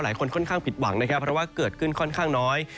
หลายคนค่อนข้างผิดหวังนะครับเพราะว่าเกิดขึ้นค่อนข้างน้อย